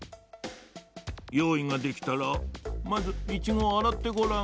よういができたらまずイチゴをあらってごらん。